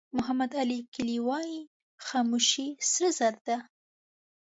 محمد علي کلي وایي خاموشي سره زر ده.